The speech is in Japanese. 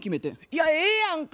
いやええやんか。